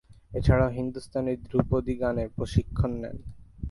এছাড়াও, হিন্দুস্তানী ধ্রুপদী গানে প্রশিক্ষণ নেন।